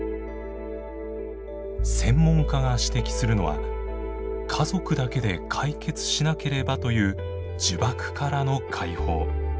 専門家が指摘するのは「家族だけで解決しなければ」という呪縛からの解放。